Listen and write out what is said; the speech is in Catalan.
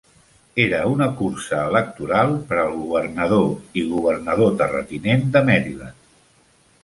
Era una cursa electoral per al governador i governador terratinent de Maryland.